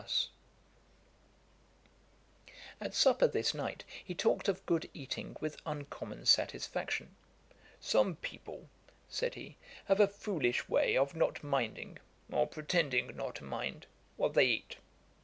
] [Page 470: Studied behaviour. A.D. 1763.] At supper this night he talked of good eating with uncommon satisfaction. 'Some people (said he,) have a foolish way of not minding, or pretending not to mind, what they eat.